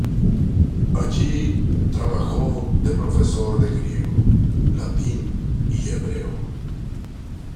Allí trabajó de profesor de griego, latín y hebreo.